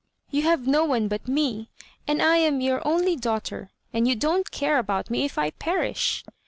"You have no one but me, and I am your only daughter, and you don't care about me if I perish."